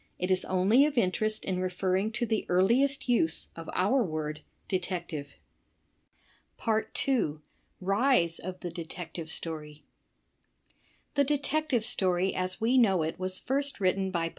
It is only of in terest in referring to the earliest use of our word ''detective." 2. Rise of the Detective Story » The Detective Story as we know it was first written by